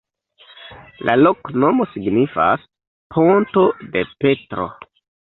La loknomo signifas: ponto de Petro.